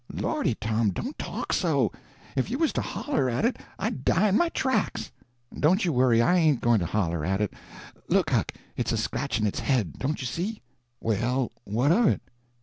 "Lordy, Tom, don't talk so! If you was to holler at it I'd die in my tracks." "Don't you worry, I ain't going to holler at it. Look, Huck, it's a scratching its head—don't you see?" "Well, what of it?"